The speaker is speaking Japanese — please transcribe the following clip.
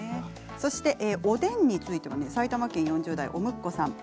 そしておでんについては埼玉県４０代の方からです。